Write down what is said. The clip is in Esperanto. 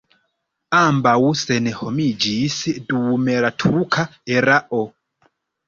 Ambaŭ senhomiĝis dum la turka erao.